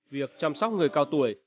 việc chăm sóc người cao tuổi